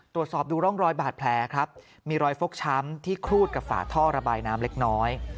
ตรวจสอบดูร่องรอยบาดแผลครับมีรอยฟกช้ำที่ครูดกับฝาท่อระบายน้ำเล็กน้อย